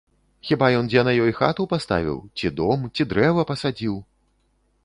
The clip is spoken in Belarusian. Хіба ён дзе на ёй хату паставіў, ці дом, ці дрэва пасадзіў?